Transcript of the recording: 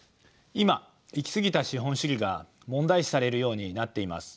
今行き過ぎた資本主義が問題視されるようになっています。